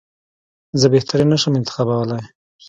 زه بهترین نه شم انتخابولای.